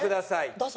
どうぞ。